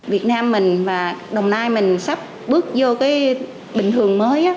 việt nam mình và đồng nai mình sắp bước vô cái bình thường mới